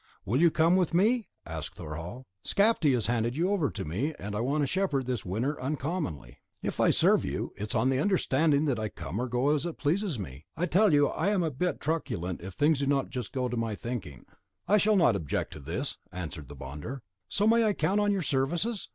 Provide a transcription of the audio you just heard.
"Will you come with me?" asked Thorhall; "Skapti has handed you over to me, and I want a shepherd this winter uncommonly." "If I serve you, it is on the understanding that I come or go as it pleases me. I tell you I am a bit truculent if things do not go just to my thinking." "I shall not object to this," answered the bonder. "So I may count on your services?"